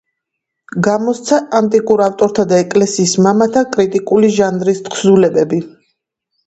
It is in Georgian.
გამოსცა ანტიკურ ავტორთა და ეკლესიის მამათა კრიტიკული ჟანრის თხზულებები.